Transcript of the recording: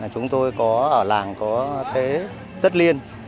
chúng tôi có ở làng có tết tất liên